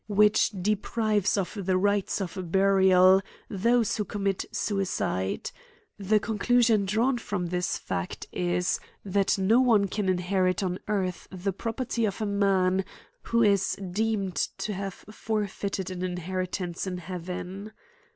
222 A COMMENTARY ON which depives of the rites of burial, those who commit suicide : The conclusion drawn from this fact, is, that no one can inherit on earth the pro perty of a man, who is deemed to have forfeited an inheritance in heaven.